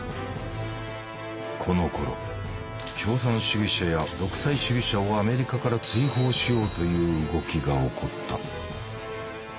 このころ共産主義者や独裁主義者をアメリカから追放しようという動きが起こった。